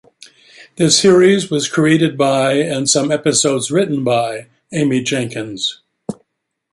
The series was created by, and some episodes written by, Amy Jenkins.